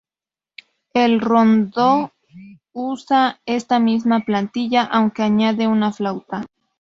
El rondó usa esta misma plantilla, aunque añade una flauta.